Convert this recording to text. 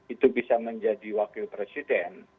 itu bisa menjadi wakil presiden